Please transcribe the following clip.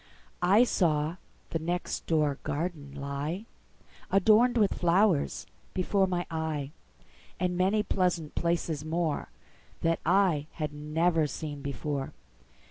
I saw the next door garden lie, Adorned with flowers, before my eye, And many pleasant places moreThat I had never seen before.